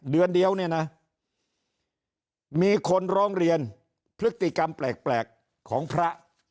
เดือนเดียวเนี่ยนะมีคนร้องเรียนพฤติกรรมแปลกของพระ